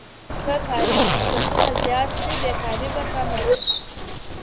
که کاري فرصتونه زیات سي بیکاري به کمه سي.